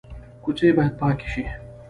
کوڅې باید پاکې شي